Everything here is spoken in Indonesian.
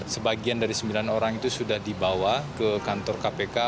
sebagian dari sembilan orang itu sudah dibawa ke kantor kpk